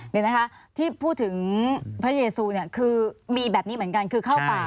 เดี๋ยวนะคะที่พูดถึงพระเยซูเนี่ยคือมีแบบนี้เหมือนกันคือเข้าป่า